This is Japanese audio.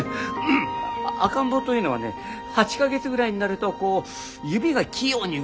赤ん坊というのはね８か月ぐらいになるとこう指が器用に動くらしいんだ。